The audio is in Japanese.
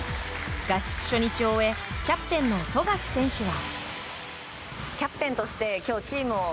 合宿初日を終えキャプテンの富樫選手は。